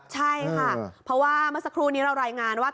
ใช่ค่ะเพราะว่าเมื่อสักครู่นี้เรารายงานว่า